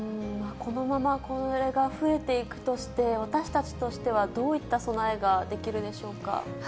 このままこれが増えていくとして、私たちとしては、どういった備えができるでしょうか。